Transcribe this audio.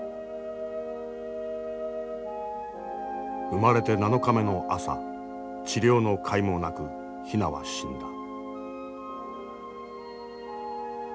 生まれて７日目の朝治療のかいもなくヒナは死んだ。